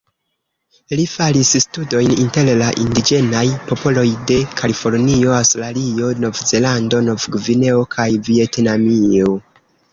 Li faris studojn inter la indiĝenaj popoloj de Kalifornio, Aŭstralio, Novzelando, Novgvineo kaj Vjetnamio.